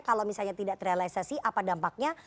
kalau misalnya tidak terrealisasi apa dampaknya